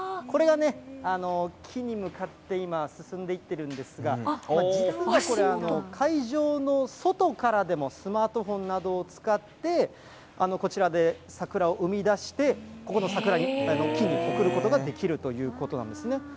これがね、木に向かって今、進んでいってるんですが、実はこれ、会場の外からでもスマートフォンなどを使って、こちらで桜を生み出して、ここの桜の木に送ることができるということなんですね。